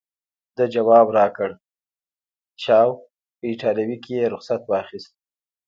ده ځواب راکړ: چاو، په ایټالوي کې یې رخصت واخیست.